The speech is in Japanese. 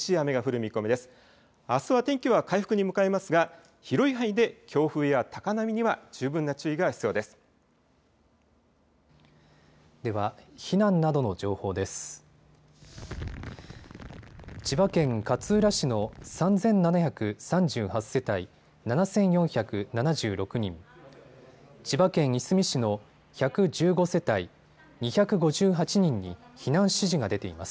あすは天気は回復に向かいますが広い範囲で強風や高波には十分な注意が必要です。